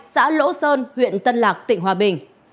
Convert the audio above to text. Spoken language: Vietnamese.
xã lỗ sơn huyện tân lạc tỉnh hòa bình